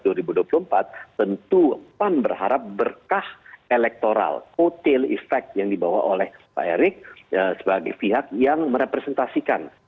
tentu pan berharap berkah elektoral kotel efek yang dibawa oleh pak erick sebagai pihak yang merepresentasikan